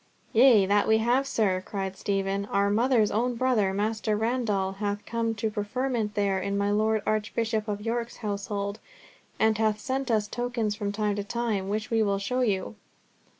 "Yea, that have we, sir," cried Stephen; "our mother's own brother, Master Randall, hath come to preferment there in my Lord Archbishop of York's household, and hath sent us tokens from time to time, which we will show you."